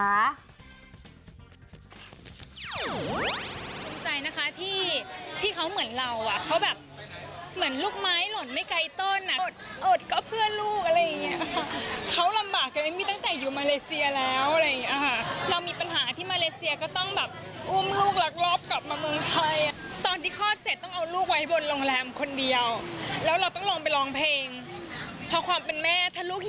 ภูมิใจนะคะที่ที่เขาเหมือนเราอ่ะเขาแบบเหมือนลูกไม้หล่นไม่ไกลต้นอ่ะอดอดก็เพื่อลูกอะไรอย่างเงี้ยค่ะเขาลำบากกับเอมมี่ตั้งแต่อยู่มาเลเซียแล้วอะไรอย่างเงี้ยค่ะเรามีปัญหาที่มาเลเซียก็ต้องแบบอุ้มลูกรักรอบกลับมาเมืองไทยอ่ะตอนที่คลอดเสร็จต้องเอาลูกไว้บนโรงแรมคนเดียวแล้วเราต้องลองไปร้องเพลงพอความเป็นแม่ถ้าลูกหิ